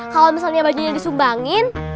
kalau misalnya baginya disumbangin